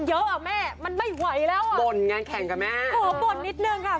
เยอะอ่ะแม่มันไม่ไหวแล้วอ่ะบ่นงานแข่งกับแม่โอ้โหบ่นนิดนึงค่ะ